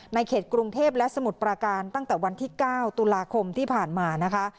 เขตกรุงเทพและสมุทรปราการตั้งแต่วันที่๙ตุลาคมที่ผ่านมานะคะ